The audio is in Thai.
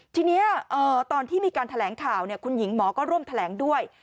ทีนี้ตอนที่มีการแถลงข่าวคุณหญิงหมอก็ร่วมแถลงด้วย